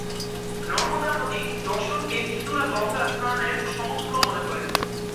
নর্মদা নদী দর্শনকে হিন্দুরা গঙ্গা স্নানের সমতুল্য মনে করেন।